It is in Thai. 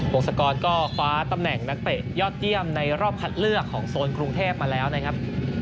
วงศกรก็คว้าตำแหน่งนักเตะยอดเยี่ยมในรอบคัดเลือกของโซนกรุงเทพมาแล้วนะครับ